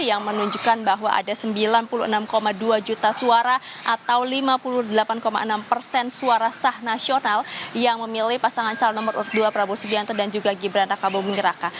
yang menunjukkan bahwa ada sembilan puluh enam dua juta suara atau lima puluh delapan enam persen suara sah nasional yang memilih pasangan calon nomor dua prabowo subianto dan juga gibran raka buming raka